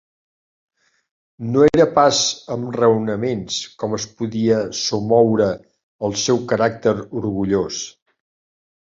No era pas amb raonaments com es podia somoure el seu caràcter orgullós.